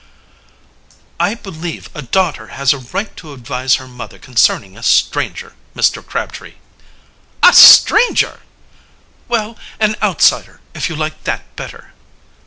"I believe a daughter has a right to advise her mother concerning a stranger, Mr. Crabtree." "A stranger!" "Well, an outsider if you like that better."